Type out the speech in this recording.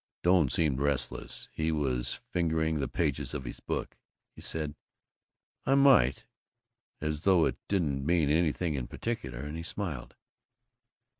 Doane seemed restless. He was fingering the pages of his book. He said "I might" as though it didn't mean anything in particular, and he smiled.